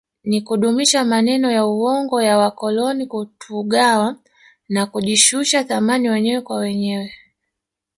Ni kudumisha maneno ya uongo ya wakoloni kutugawa na kujishusha thamani wenyewe kwa wenyewe